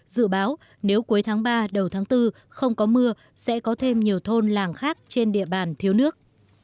dự báo nếu cuối tháng ba đầu tháng bốn không có mưa sẽ có thêm nhiều thôn làng khác trên địa bàn thiếu nước